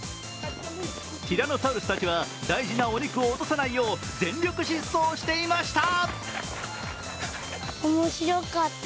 ティラノサウルスたちは大事なお肉を落とさないよう全力疾走していました。